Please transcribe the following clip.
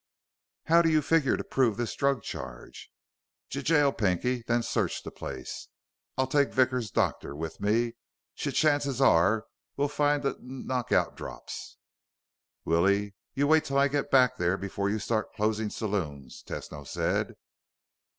"How do you figure to prove this drug charge?" "J jail Pinky, then search the place. I'll take Vickers' doctor with me. Ch chances are we'll find the kn knockout drops." "Willie, you wait till I get back there before you start closing saloons," Tesno said.